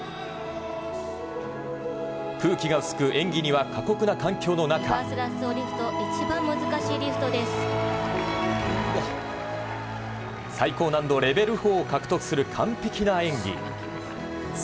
空気が薄く演技には過酷な環境の中最高難度レベル４を獲得する完璧な演技。